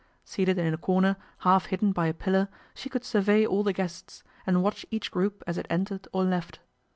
Seated in a corner, half hidden by a pillar, she could survey all the guests, and watch each group as it entered or left.